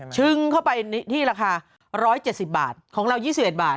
ึงเข้าไปที่ราคา๑๗๐บาทของเรา๒๑บาท